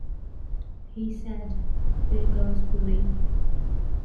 He said, There goes Willie.